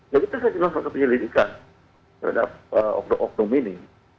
ya kita sudah dimaksudkan penyelidikan terhadap bandung bandung ini